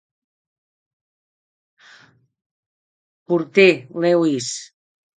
Porter, Lewis.